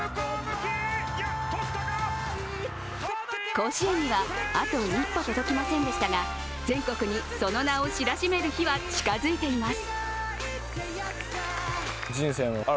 甲子園にはあと一歩届きませんでしたが全国にその名を知らしめる日は近づいています。